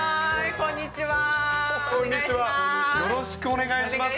よろしくお願いします。